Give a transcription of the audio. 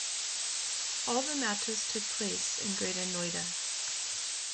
All the matches took place in Greater Noida.